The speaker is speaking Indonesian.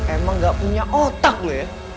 emang gak punya otak loh ya